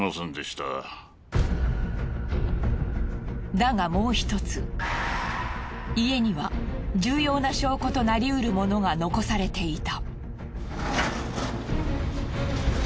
だがもう１つ家には重要な証拠となりうるものが残されていた。